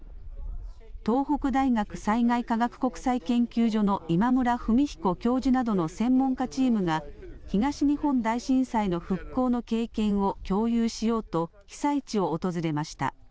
東北大学災害科学国際研究所の今村文彦教授などの専門家チームが東日本大震災の復興の経験を共有しようと被災地を訪れました。